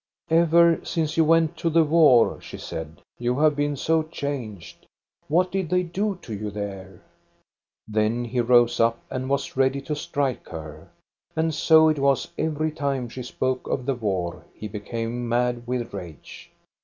" Ever since you went to the war," she said, " you have been so changed. What did they do to you there ?" Then he rose up, and was ready to strike her ; and so it was every time she spoke of the war, he be came mad with rage.